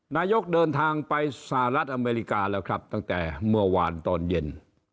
นายกเดินทางไปสหรัฐอเมริกาแล้วครับตั้งแต่เมื่อวานตอนเย็น